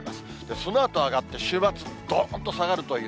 そのあと上がって、週末、どんと下がるという。